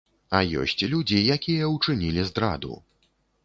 А ёсць людзі, якія ўчынілі здраду.